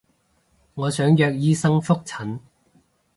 我想約醫生覆診